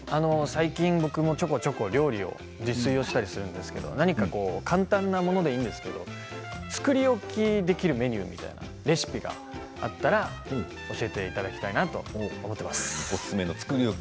最近、料理を自炊したりするんで簡単なものでいいんですけど作り置きできるレシピがあったら教えていただきたいなと思っています。